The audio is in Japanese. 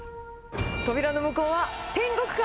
扉の向こうは天国か？